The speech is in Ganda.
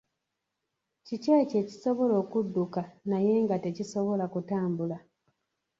Kiki ekyo ekisobola okudduka naye nga tekisobola kutambula?